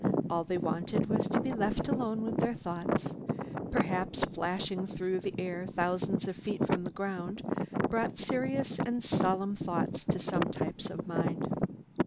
All they wanted was to be left alone with their thoughts. Perhaps flashing through the air thousands of feet from the ground brought serious and solemn thoughts to some types of mind.